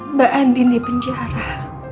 mbak andin di penjara